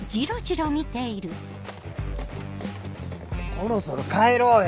そろそろ帰ろうよ。